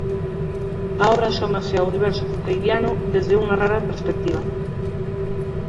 A obra asómase ao universo cunqueiriano desde unha rara perspectiva.